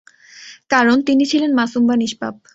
কারণ, তিনি ছিলেন মাসূম বা নিস্পাপ।